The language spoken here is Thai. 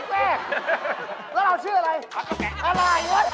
แล้วเราชื่ออะไร